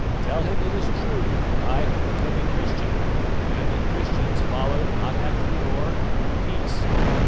Tell him it is true that I have become a Christian, and that Christians follow not after war but peace.